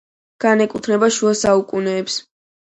განეკუთნება შუა საუკუნეებს.